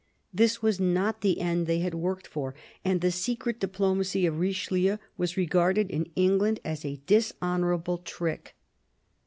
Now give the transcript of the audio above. This was not the end they had worked for ; and the secret diplomacy of Richelieu was regarded in England as a dishonourable trick.